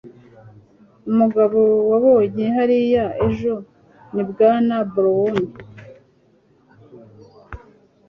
umugabo wabonye hariya ejo ni bwana brown